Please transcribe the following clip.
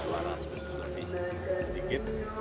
dua ratus lebih sedikit